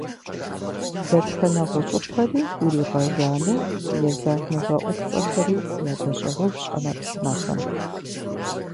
Дэтхэнэ гъущӀыпэри иригъэжану езэгъ мывэупцӀэхэри ядэщӀыгъужщ Ӏэмэпсымэхэм.